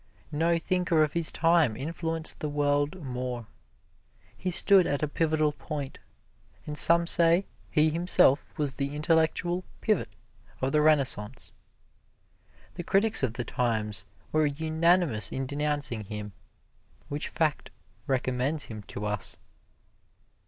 No thinker of his time influenced the world more. He stood at a pivotal point, and some say he himself was the intellectual pivot of the Renaissance. The critics of the times were unanimous in denouncing him which fact recommends him to us.